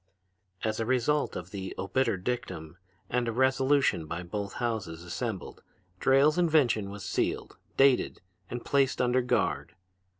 "As a result of the obiter dictum and a resolution by both Houses Assembled Drayle's invention was sealed, dated and placed under guard.